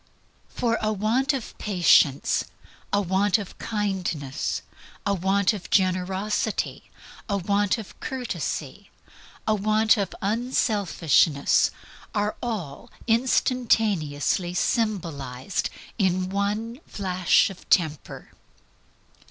A want of patience, a want of kindness, a want of generosity, a want of courtesy, a want of unselfishness, are all instantaneously symbolized in one flash of Temper.